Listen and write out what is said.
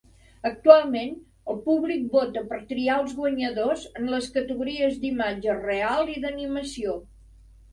Actualment, el públic vota per triar els guanyadors en les categories d'imatge real i d'animació.